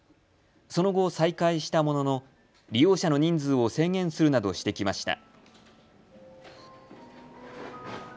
その後、再開したものの利用者の人数を制限するなどしてきました。